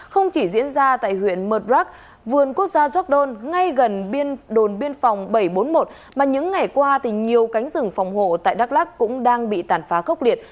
không chỉ diễn ra tại huyện mertrak vườn quốc gia jordan ngay gần đồn biên phòng bảy trăm bốn mươi một mà những ngày qua thì nhiều cánh rừng phòng hộ tại đắk lắc cũng đang bị tàn phá khốc liệt